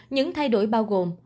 những thay đổi bao gồm